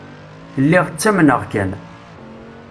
Lliɣ ttamneɣ kan.